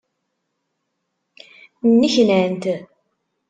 Nneknant.